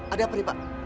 ada apa nih pak